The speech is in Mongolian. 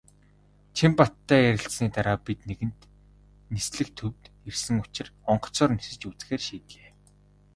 Чинбаттай ярилцсаны дараа бид нэгэнт "Нислэг" төвд ирсэн учир онгоцоор нисэж үзэхээр шийдлээ.